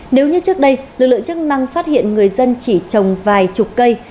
nếu như trước đây lực lượng chức năng phát hiện người dân chỉ trồng vài chục cây